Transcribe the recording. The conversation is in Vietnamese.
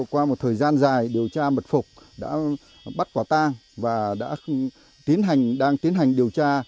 qua một thời gian dài điều tra mật phục đã bắt quả tang và đang tiến hành điều tra